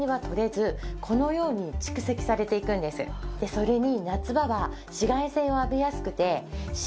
それに。